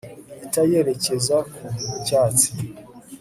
ihita yerekeza ku cyatsi